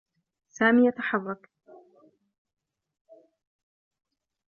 سامي يتحرّك.